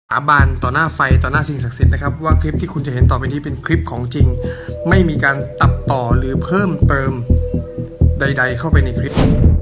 บานต่อหน้าไฟต่อหน้าสิ่งศักดิ์สิทธิ์นะครับว่าคลิปที่คุณจะเห็นต่อไปนี้เป็นคลิปของจริงไม่มีการตัดต่อหรือเพิ่มเติมใดเข้าไปในคลิป